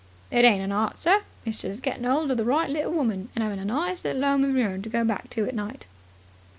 "It ain't an art, sir. It's just gettin' 'old of the right little woman, and 'aving a nice little 'ome of your own to go back to at night."